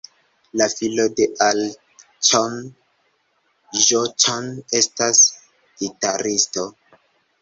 La filo de Al Cohn, Joe Cohn, estas gitaristo.